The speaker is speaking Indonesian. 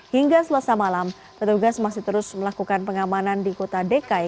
hingga selasa malam petugas masih terus melakukan pengamanan di kota dekai